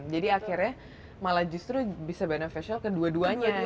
jadi akhirnya malah justru bisa beneficial ke dua duanya gitu ya